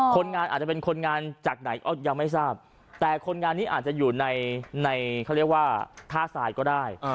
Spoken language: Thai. คนงานอาจจะเป็นคนงานจากไหนก็ยังไม่ทราบแต่คนงานนี้อาจจะอยู่ในเขาเรียกว่าท่าทรายก็ได้